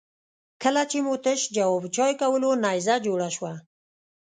کله چې مو تش جواب چای کولو نيزه جوړه شوه.